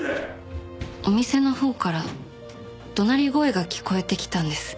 お店のほうから怒鳴り声が聞こえてきたんです。